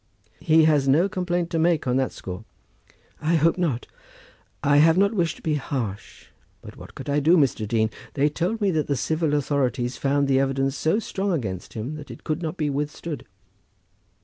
"He has no complaint to make on that score." "I hope not. I have not wished to be harsh, but what could I do, Mr. Dean? They told me that the civil authorities found the evidence so strong against him that it could not be withstood."